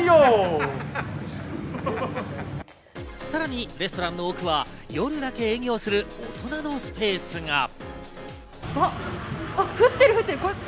さらにレストランの奥は夜だけ営業する大人のスペースが。